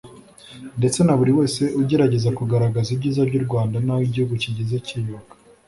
ndetse na buri wese ugerageza kugaragaza ibyiza by’u Rwanda n’aho igihugu kigeze cyiyubaka